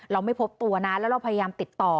ไม่พบตัวนะแล้วเราพยายามติดต่อ